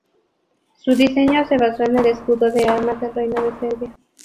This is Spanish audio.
Su diseño se basó en el escudo de armas del Reino de Serbia.